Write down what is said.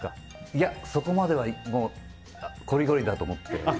いや、そこまではこりごりだと思って。